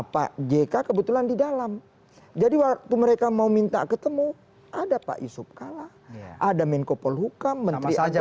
pak jk kebetulan di dalam jadi waktu mereka mau minta ketemu ada pak yusuf kalla ada menko polhukam menteri agama